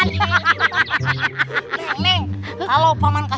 kalian sampai semalam